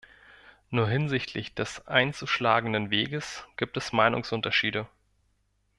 Nur hinsichtlich des einzuschlagenden Weges gibt es Meinungsunterschiede.